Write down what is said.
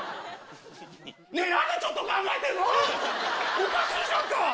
おかしいじゃんか！